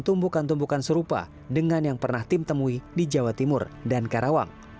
tumbukan tumbukan serupa dengan yang pernah tim temui di jawa timur dan karawang